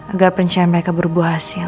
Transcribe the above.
agar percayaan mereka berubah hasil